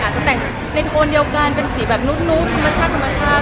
อาจจะแต่งในโทนเดียวกันเป็นสีแบบนุกธรรมชาติ